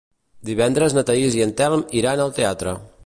Divendres na Thaís i en Telm iran al teatre.